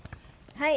はい。